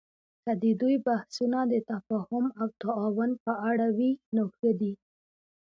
که د دوی بحثونه د تفاهم او تعاون په اړه وي، نو ښه دي